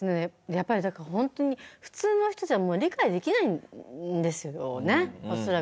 やっぱりだからホントに普通の人じゃもう理解できないんですよね恐らく。